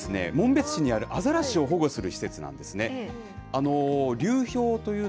こちらですね紋別市にあるあざらしを保護する施設なんですね。